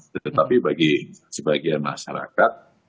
tetapi bagi sebagian masyarakat